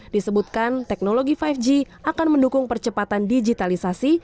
disebutkan teknologi lima g akan mendukung percepatan digitalisasi